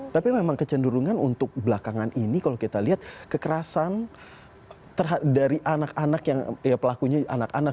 tapi memang kecenderungan untuk belakangan ini kalau kita lihat kekerasan dari anak anak yang pelakunya anak anak